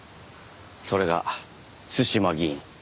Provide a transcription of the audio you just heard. それが対馬議員。